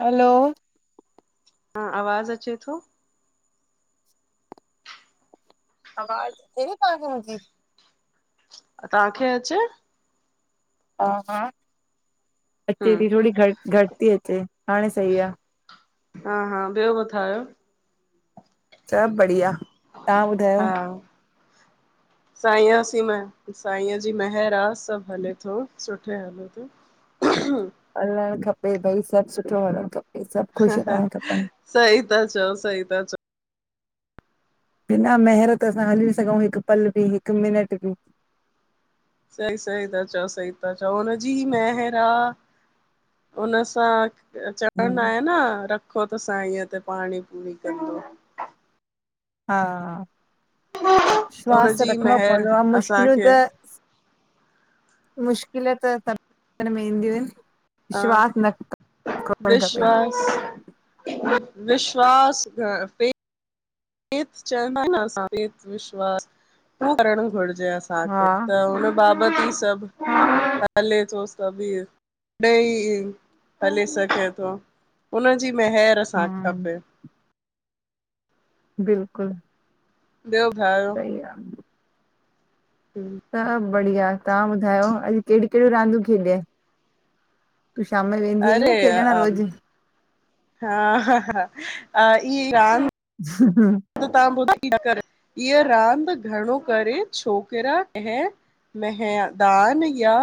हलो हा आवाज़ अचे थो। आवाज़ [unintelligible] तांखे अचे। हा-हा हम अचे ती थोरी घट-घट ती अचे हाणे सई आ। हा-हा ॿयो ॿुधायो? सॿ बढ़िया। तव्हां ॿुधायो? हा सांईयासि मैं सांईया ॼी महिर सॿ हले थो सुठो हले थो। हम हलण खपे भई सॿ सुठो हलण खपे सॿ ख़ुश हलण खपन। सई ता चओ, सई ता चओ। बिना महर त असां हली ॿि सघूं हिक पल ॿि हिक मिनट ॿि। सई-सई ता चओ सई त चओ उन ॼी महर ह। हुनन सां चढ़न आ न रखो त साईअ ते पाणी पूरी कंदो। हा विश्वास हुनजी रखणो महर पवंदो आ मुश्किलूं असांखे त मुश्किल त सॿ में ईंदियूं आयन। हा खपे विश्वास। विश्वास खपे। चवंदा एन असांखे, विश्वास करण घुरजे हा असांखे त उन बाबत ही सभ हा हले थो सभ हीउ, ॾेई हले सघे थो। उनजी महिर असांखे हम्म खपे। बिल्कुल ॿयो ॿुधायो? सही आ। हूं सभ बढ़िया, तहां ॿुधायो, अॼ केड़यूं केड़यूं रांदयूं खेॾयै? तूं शाम जो वेंदी अईं अरे न, खेॾण रोज़? हा हा, हा ईअंई रांद [inaudible] त, तहां ॿुधाईंदा कर, इअ रांद घणो करे छोकरा अएं मैहदान या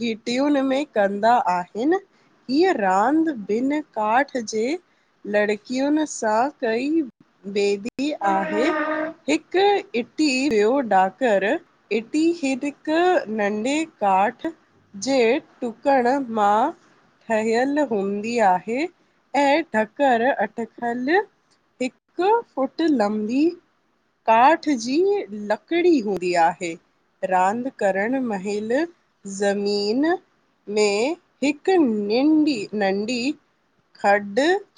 घिटियुन में कंदा आहिन। हीअ रांद, ॿिन काठ जे लड़कियुन सां कई वेंदी आहे, हिक इटी, ॿयो ॾाकर इटी खे हिक नंढ़े काठ जे टुकण मां ठहयल हूंदी आहे, अंएं ढ़करु अटकल हिक फ़ुट लंबी काठ जी लकड़ी हूंदी आहे। रांद करण महिल, ज़मीन में हिक निंढ़ी नंढ़ी खॾ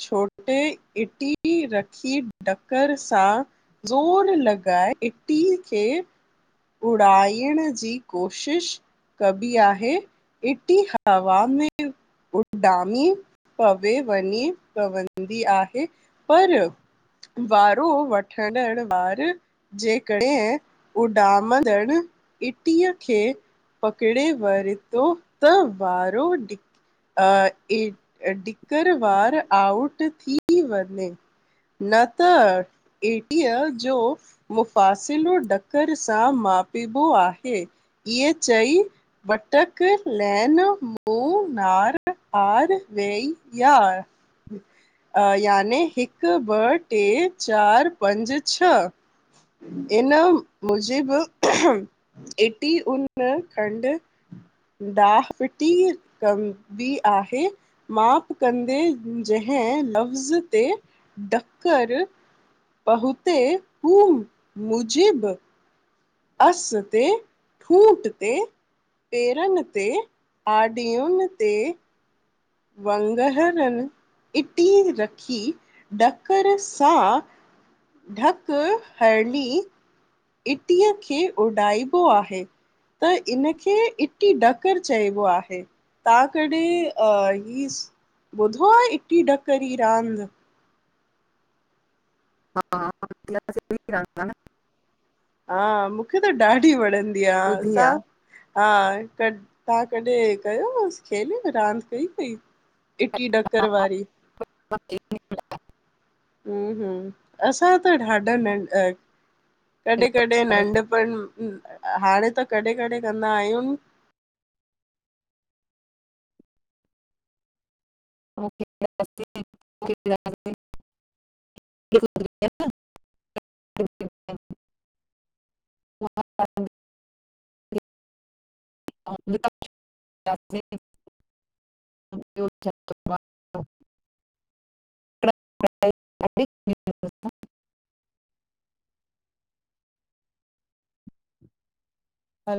छोटे इटीही रख खी ढ़कर सां ज़ोर लॻाए इटी खे उड़ाइण जी कोशिश कबी आहे, गिटी हवा में उॾामीं पवे वञी पवंदी आहे, पर वारो वठंदण वार जेकॾहिं उॾामदण इटीअ खे पकड़े वरतो त वारो टिकर वार आउट थी वञे। न त, एटीअ जो मुफ़ासिलो ॾकर सां मापीबो आहे, इएं चई बटक लेन मू नार आर वेई यार अ याने हिक ॿ, टे, चार पंज, छ। इन मुजिब एटी उन खंड डाह फिटी कंबी आहे माफ़ कंदे जहिं लफ्ज ते डक्कर पहुंते हू मुजिब अस ते ठूट ते पेरन ते आॾयुन ते वंगरनि इटी रखी ॾकर सां ढक हडी इटीअ खे उॾाइबो आहे। त इनखे इटी डकर चइबो आहे। तां कॾई ॿुधो आहे इटी ढकरी रांद? हा [unintelligible] हा मूंखे त ॾाढी वणंदी आ, ॿुधी असां हा क तव्हां कॾहिं कयो हुस खेॾो आ रांदि कई तई? इटी डकर वारी। [unintelligible] हम्म- हम्म असां त ॾाढा नंड कॾंहि -कॾंहि नंढपण, हाणे त कॾहिं- कॾंहि कंदा आहियूं [unintelligible] [unintelligible] [unintelligible] [unintelligible] [unintelligible] आ।